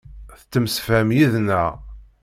Tettemsefham yid-neɣ.